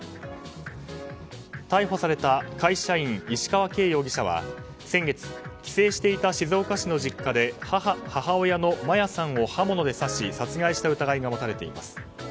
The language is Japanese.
逮捕された会社員石川慶容疑者は先月、帰省していた静岡市の実家で母親の真矢さんを刃物で刺し殺害した疑いが持たれています。